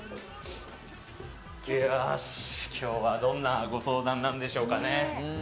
今日はどんなご相談なんでしょうかね。